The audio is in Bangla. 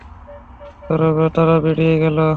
তারা বেড়িয়ে গেল।